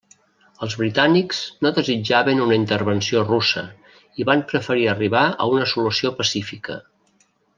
Els britànics no desitjaven una intervenció russa, i van preferir arribar a una solució pacífica.